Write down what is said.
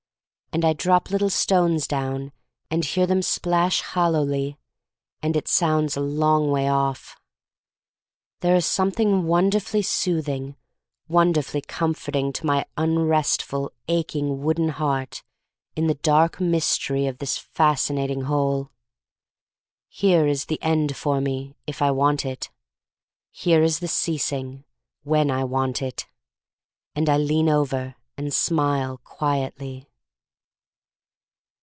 And I drop little stones down and hear them splash hollowly, and it sounds a long way off. There is something wonderfully soothing, wonderfully comforting to my unrestful, aching wooden heart in the dark mystery of this fascinating hole. Here is the End for me, if I want it — here is the Ceasing, when I want it. And I lean over and smile quietly.